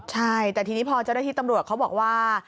ใช่แต่ทีนี้พอเจ้าหน้าที่ตำรวจเขาบอกว่า